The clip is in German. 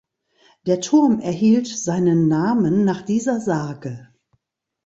Der Turm erhielt seinen Namen nach dieser Sage.